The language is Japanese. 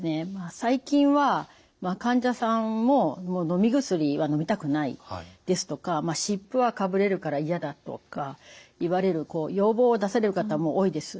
最近は患者さんも「もうのみ薬はのみたくない」ですとか「湿布はかぶれるから嫌だ」とか言われる要望を出される方も多いです。